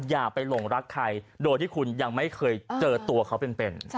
อย่าไปหลงรักใครโดยที่คุณยังไม่เคยเจอตัวเขาเป็น